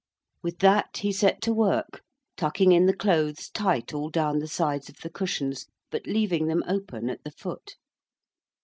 With that, he set to work, tucking in the clothes tight all down the sides of the cushions, but leaving them open at the foot.